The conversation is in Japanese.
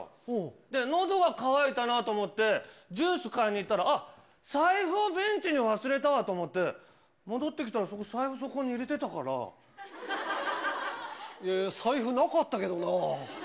で、のどが渇いたなと思って、ジュース買いに行ったら、あっ、財布をベンチに忘れたわと思って、戻ってきたら、そこ、財布、いや、財布なかったけどな。